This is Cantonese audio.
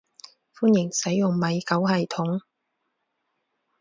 歡迎使用米狗系統